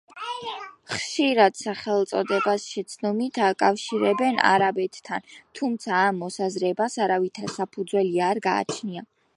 ხშირად სახელწოდებას შეცდომით აკავშირებენ არაბეთთან, თუმცა ამ მოსაზრებას არავითარი საფუძველი არ გააჩნია.